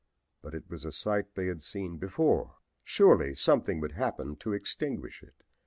But it was a sight they had seen before. Surely something would happen to extinguish it.